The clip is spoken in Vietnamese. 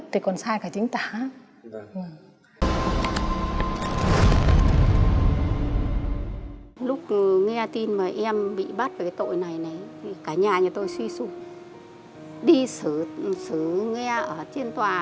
đi xử nghe ở trên tòa